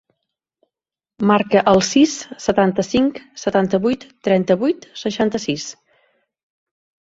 Marca el sis, setanta-cinc, setanta-vuit, trenta-vuit, seixanta-sis.